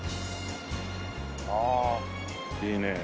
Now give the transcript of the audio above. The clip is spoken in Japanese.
ああいいね。